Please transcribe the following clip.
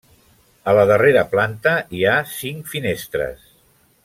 A la darrera planta hi ha cinc finestres.